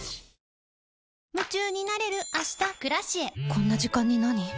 こんな時間になに？